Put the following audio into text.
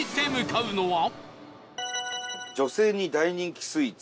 「女性に大人気スイーツ」。